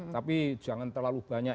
tapi jangan terlalu banyak